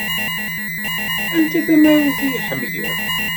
Anta tamarut i tḥemmlem?